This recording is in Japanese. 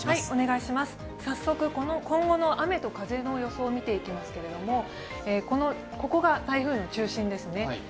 早速今後の雨と風の予想を見ていきますけれどここが台風の中心ですね。